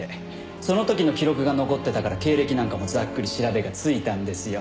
その時の記録が残ってたから経歴なんかもざっくり調べがついたんですよ。